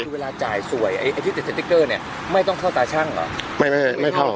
เวลาจ่ายสวยไอ้ไอ้ที่เนี้ยไม่ต้องเข้าตาชั่งเหรอไม่ไม่ไม่เข้า